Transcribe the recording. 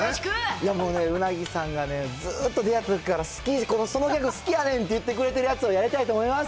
いやもうね、鰻さんがね、ずっと、出会ったときからそのギャグ好きやねんって言ってくれてるやつを、やりたいと思います。